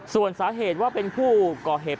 ส่วนสาเหตุว่าเป็นผู้ก่อเหตุ